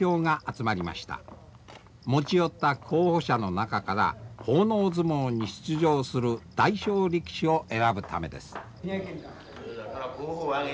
持ち寄った候補者の中から奉納相撲に出場する代表力士を選ぶためです。